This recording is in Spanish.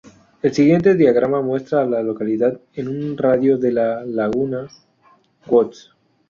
El siguiente diagrama muestra a las localidades en un radio de de Laguna Woods.